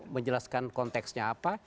menjelaskan konteksnya apa